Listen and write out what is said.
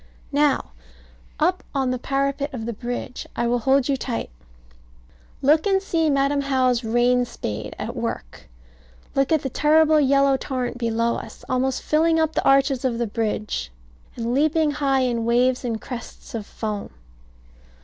Now, up on the parapet of the bridge. I will hold you tight. Look and see Madam How's rain spade at work. Look at the terrible yellow torrent below us, almost filling up the arches of the bridge, and leaping high in waves and crests of foam.